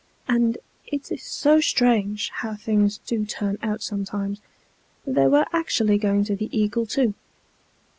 And it is so strange how things do turn out sometimes they were actually going to the Eagle too.